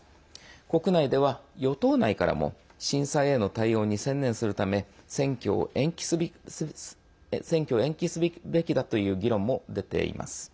国内では与党内からも震災への対応に専念するため選挙を延期すべきだという議論も出ています。